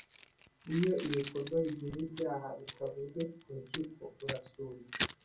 iyo ibikorwa bigize ibyaha bitavuzwe urukiko rurasubikwa